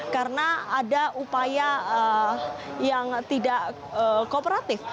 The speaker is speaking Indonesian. karena ada upaya yang tidak kooperatif